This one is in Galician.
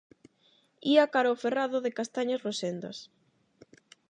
Ía caro o ferrado de castañas rosendas.